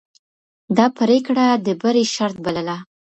ده پرېکړه د بری شرط بلله.